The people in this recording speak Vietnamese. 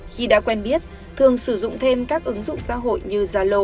khi đã quen biết thường sử dụng thêm các ứng dụng xã hội như zalo